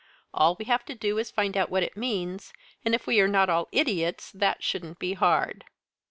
All we have to do is to find out what it means, and if we are not all idiots, that shouldn't be hard.